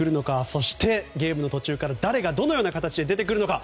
そしてゲームの途中から誰がどのような形で出てくるのか。